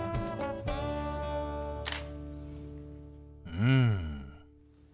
うん。